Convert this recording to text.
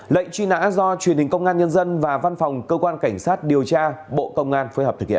lệnh truy nã do truyền hình công an nhân dân và văn phòng cơ quan cảnh sát điều tra bộ công an phối hợp thực hiện